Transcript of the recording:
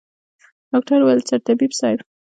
ډاکتر وويل سرطبيب صايب.